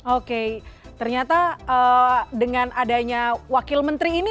oke ternyata dengan adanya wakil menteri ini